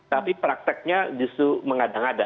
tapi prakteknya justru mengadang ada